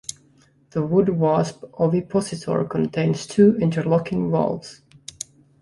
The wood wasp ovipositor contains two interlocking valves.